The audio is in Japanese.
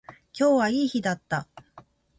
今日はいい日だった